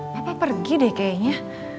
papa pergi deh kayaknya